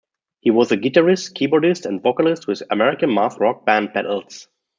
He was a guitarist, keyboardist and vocalist with American math rock band Battles.